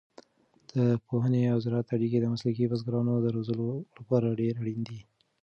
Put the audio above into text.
د پوهنې او زراعت اړیکه د مسلکي بزګرانو د روزلو لپاره ډېره اړینه ده.